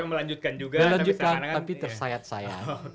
melanjutkan tapi tersayat sayang